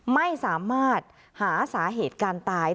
ไม่สามารถหาสาเหตุการตาย